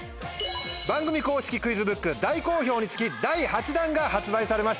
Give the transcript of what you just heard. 番組公式クイズブック大好評につき第８弾が発売されました。